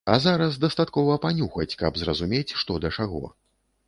А зараз дастаткова панюхаць, каб зразумець, што да чаго.